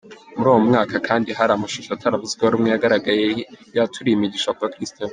Muri uwo mwaka kandi hari amashusho ataravuzweho rumwe. Yagaragaye yaturira imigisha ku bakiristo be.